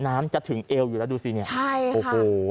น้ำจะถึงเอวอยู่แล้วดูสิเนี่ยใช่โอ้โห